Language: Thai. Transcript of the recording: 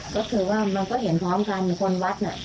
ก็คือว่ามันก็เห็นพร้อมกันคนวัดน่ะ